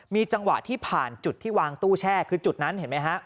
มีจังหวะที่ผ่านจุดที่วางตู้แช่คือจุดนั้นเห็นไหมฮะ